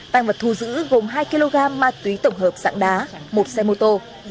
tang vật thu giữ gồm hai kg ma túy tổng hợp sạng đá một xe mô tô